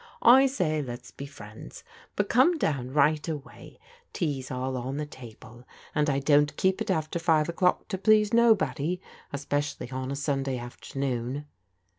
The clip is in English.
I say let's be friends ; but come down right away — ^tea's all on the table and I don't keep it after five o'clock to please nobody, especially on a Sunday after noon."